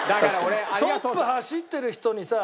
トップ走ってる人にさ。